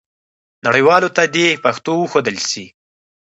نړیوالو ته دې پښتو وښودل سي.